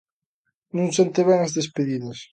Non sentan ben as despedidas.